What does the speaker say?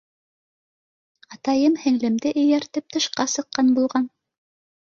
Атайым һеңлемде эйәртеп тышҡа сыҡҡан булған.